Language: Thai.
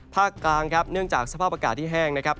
ภาคกลางครับเนื่องจากสภาพอากาศที่แห้งนะครับ